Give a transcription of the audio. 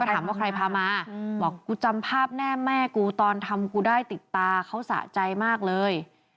ถามว่าใครพามาบอกกูจำภาพแน่แม่กูตอนทำกูได้ติดตาเขาสะใจมากเลย